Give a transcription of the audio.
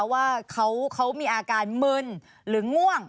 ว่าเขามีอาการมึนหรือง่วง